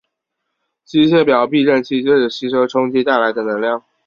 机械表避震器就是吸收冲击带来的能量。